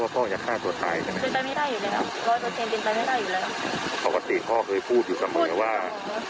พ่อเคยพูดอยู่สมัยว่า